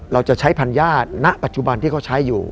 เราจะใช้พันย่าณปัจจุบันที่เขาใช้อยู่